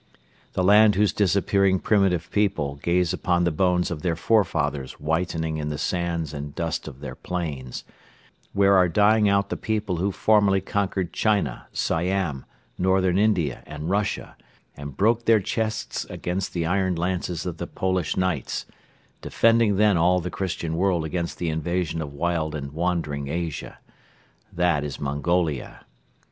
The land whose disappearing primitive people gaze upon the bones of their forefathers whitening in the sands and dust of their plains; where are dying out the people who formerly conquered China, Siam, Northern India and Russia and broke their chests against the iron lances of the Polish knights, defending then all the Christian world against the invasion of wild and wandering Asia: that is Mongolia.